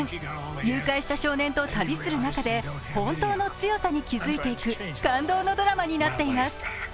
誘拐した少年と旅する中で本当の強さに気づいていく感動のドラマになっています。